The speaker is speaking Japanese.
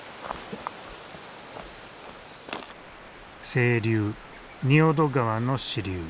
清流仁淀川の支流。